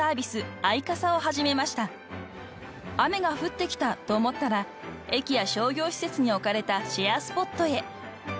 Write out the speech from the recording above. ［「雨が降ってきた」と思ったら駅や商業施設に置かれたシェアスポットへ］